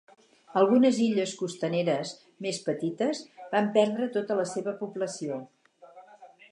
Algunes illes costaneres més petites van perdre tota la seva població.